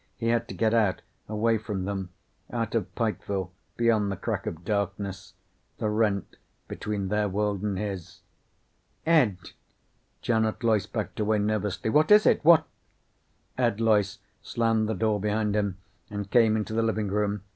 He had to get out away from them. Out of Pikeville, beyond the crack of darkness, the rent between their world and his. "Ed!" Janet Loyce backed away nervously. "What is it? What " Ed Loyce slammed the door behind him and came into the living room.